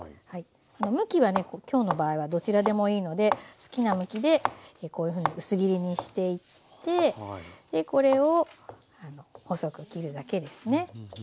向きはね今日の場合はどちらでもいいので好きな向きでこういうふうに薄切りにしていってでこれを細く切るだけですね。